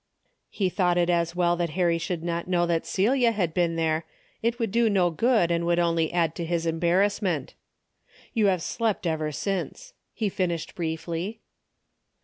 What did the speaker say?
He thought it as well that Harry should not know that Celia had been there ; it could do no good and would only add to his embarrassment. " You have slept ever since," he finished briefly.